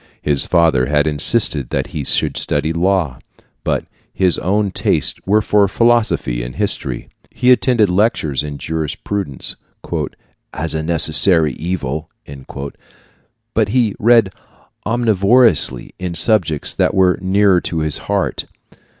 His father had insisted that he should study law; but his own tastes were for philosophy and history. He attended lectures in jurisprudence "as a necessary evil," but he read omnivorously in subjects that were nearer to his heart.